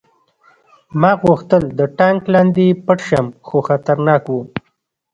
ما غوښتل د ټانک لاندې پټ شم خو خطرناک و